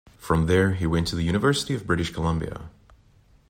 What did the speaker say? From there he went to the University of British Columbia.